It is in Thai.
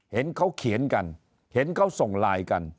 เห็นเขาเขียนกันเห็นเขาส่งไลน์กัน